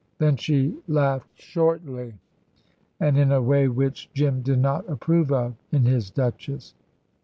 Then she laughed shortly, and in a way which Jim did not approve of in his Duchess.